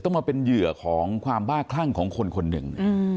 มาเป็นเหยื่อของความบ้าคลั่งของคนคนหนึ่ง